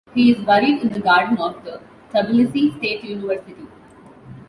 He is buried in the garden of the Tbilisi State University.